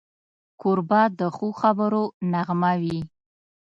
کوربه د ښو خبرو نغمه وي.